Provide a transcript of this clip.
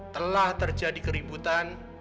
telah terjadi keributan